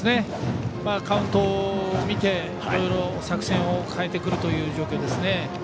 カウントを見ていろいろと作戦を変えてくるという状況ですね。